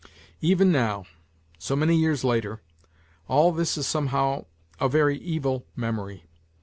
Even now, so many years later, all this is somehow a very evil memory.